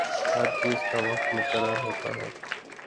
ہر چیز کا وقت مقرر ہوتا ہے۔